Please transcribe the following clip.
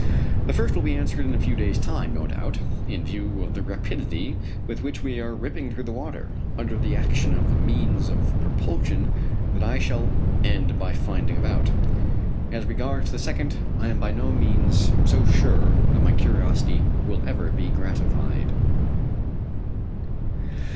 The first will be answered in a few days' time, no doubt, in view of the rapidity with which we are ripping through the water, under the action of a means of propulsion that I shall end by finding out all about. As regards the second, I am by no means so sure that my curiosity will ever be gratified.